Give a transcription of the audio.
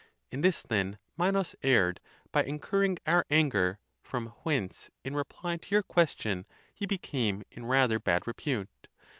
In this then Minos erred, by incurring our anger ; from whence, in reply to your question, he became in rather bad repute.